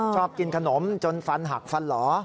ชอบกินขนมจนฟันหักฟันหล่อ